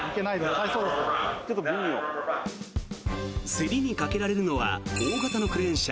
競りにかけられるのは大型のクレーン車。